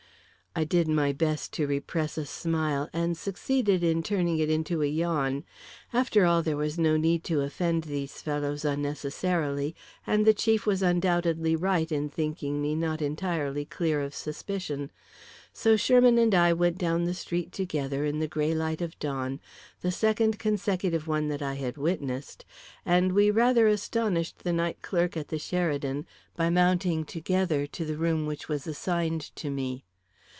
I did my best to repress a smile, and succeeded in turning it into a yawn. After all, there was no need to offend these fellows unnecessarily, and the chief was undoubtedly right in thinking me not entirely clear of suspicion. So Sherman and I went down the street together, in the grey light of the dawn the second consecutive one that I had witnessed and we rather astonished the night clerk at the Sheridan by mounting together to the room which was assigned to me.